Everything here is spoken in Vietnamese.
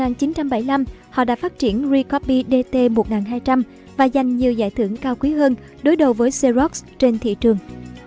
đến những năm một nghìn chín trăm bảy mươi năm họ đã phát triển ricopy dt một nghìn hai trăm linh và giành nhiều giải thưởng cao quý hơn đối đầu với xerox trên thị trường